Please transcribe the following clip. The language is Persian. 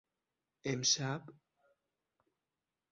امشب